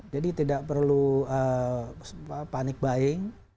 jadi tidak perlu panic buying